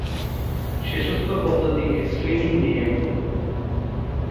শেষোক্ত পদ্ধতিকে streaming media বলে।